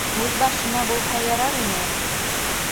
Үҙ башына булһа ярар ине!